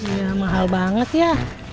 iya mahal banget ya